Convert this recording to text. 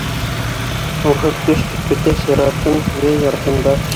Нурһыҙ көс көтә сиратын йәй артында.